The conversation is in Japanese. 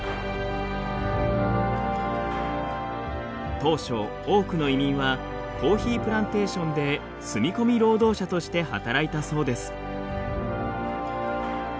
当初多くの移民はコーヒープランテーションで住み込み労働者として働いたそうです。